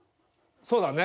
そうだね。